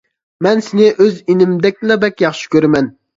مەن سىنى ئۆز ئىنىمدەكلا بەك ياخشى كۆرىمەن.